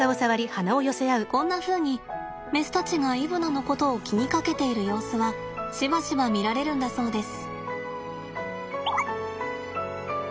こんなふうにメスたちがイブナのことを気にかけている様子はしばしば見られるんだそうです。